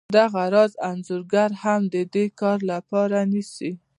دغه راز انځورګر هم د دې کار لپاره نیسي